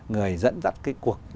người dẫn dắt cái cuộc